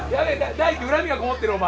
大樹恨みこもってるお前。